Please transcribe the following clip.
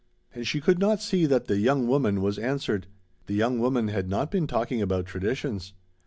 And she could not see that the "young woman" was answered. The young woman had not been talking about traditions.